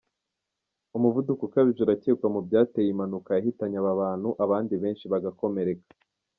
Umuvuduko ukabije urakekwa mu byateye iyi mpanuka yahitanye aba bantu abandi benshi bagakomereka.